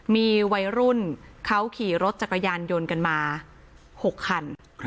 มีวัยรุ่นเขาขี่รถจักรยานยนต์กันมา๖คัน